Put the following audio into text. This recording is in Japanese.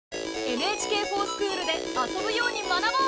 「ＮＨＫｆｏｒＳｃｈｏｏｌ」で遊ぶように学ぼう！